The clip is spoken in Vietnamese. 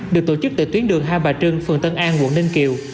được tổ chức tại tuyến đường hai bà trưng phường tân an quận ninh kiều